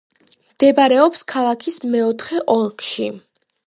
მდებარეობს ქალაქის მეოთხე ოლქში.